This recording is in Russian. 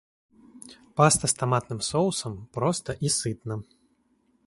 Паста с томатным соусом - просто и сытно.